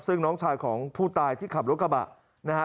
ซึ่งน้องชายของผู้ตายที่ขับรถกระบะนะฮะ